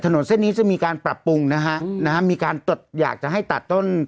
ถนนเส้นนี้จะมีการปรับปรุงนะฮะนะฮะมีการตดอยากจะให้ตัดต้น